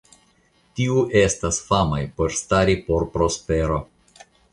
Tiuj estas famaj por stari por prospero.